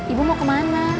ibu mau kemana